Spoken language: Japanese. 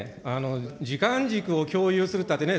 時間軸を共有するたってね、